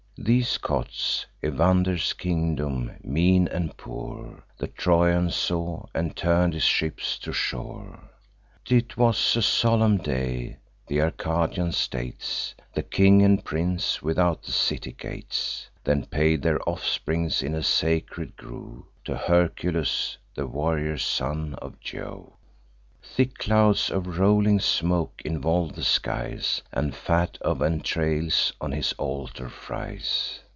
These cots (Evander's kingdom, mean and poor) The Trojan saw, and turn'd his ships to shore. 'Twas on a solemn day: th' Arcadian states, The king and prince, without the city gates, Then paid their off'rings in a sacred grove To Hercules, the warrior son of Jove. Thick clouds of rolling smoke involve the skies, And fat of entrails on his altar fries.